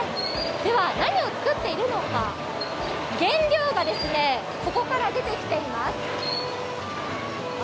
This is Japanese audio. では何を作っているのか、原料がここから出てきています。